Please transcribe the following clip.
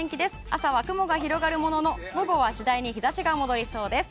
朝は雲が広がるものの午後は日差しが戻りそうです。